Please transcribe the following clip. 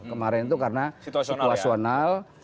kemarin itu karena situasional